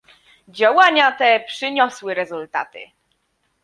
Działania te przyniosły rezultaty